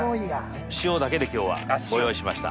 塩だけで今日はご用意しました。